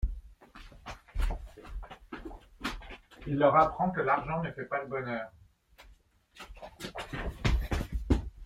Il leur apprend que l'argent ne fait pas le bonheur.